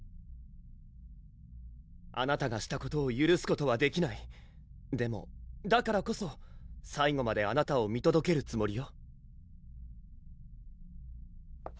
あなたがしたことをゆるすことはできないでもだからこそ最後まであなたを見届けるつもりよ